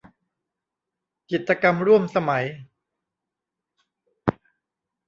จิตรกรรมร่วมสมัย